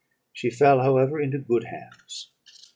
She fell, however, into good hands.